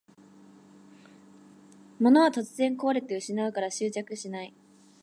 物は突然こわれて失うから執着しない